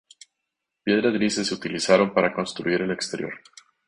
Piedras grises se utilizaron para construir el exterior.